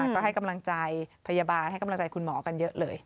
ก็ให้กำลังใจพยาบาลให้กำลังใจคุณหมอกันเยอะเลย